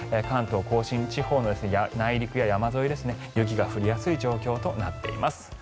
関東・甲信地方の内陸や山沿い、雪が降りやすい状況となっています。